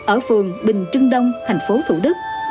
ở phường bình trưng đông thành phố thủ đức